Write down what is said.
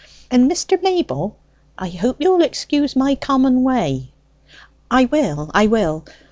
And, Mr. Mayble, I hope you'll excuse my common way?" "I will, I will.